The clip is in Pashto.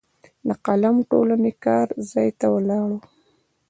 د قلم ټولنې کار ځای ته ولاړو.